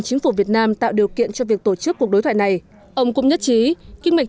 chính phủ việt nam tạo điều kiện cho việc tổ chức cuộc đối thoại này ông cũng nhất trí kinh mạch